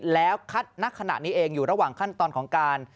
แล้วคัดณขณะนี้เองอยู่ระหว่างขั้นตอนของการ